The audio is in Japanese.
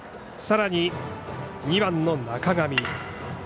さらに、２番の中上。